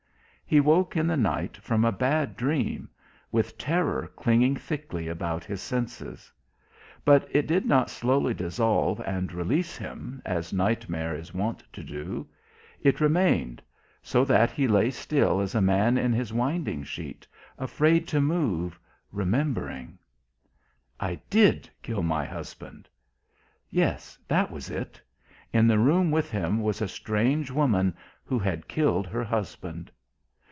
He woke in the night from a bad dream with terror clinging thickly about his senses. But it did not slowly dissolve and release him, as nightmare is wont to do. It remained so that he lay still as a man in his winding sheet, afraid to move remembering "I did kill my husband." Yes that was it. In the room with him was a strange woman who had killed her husband.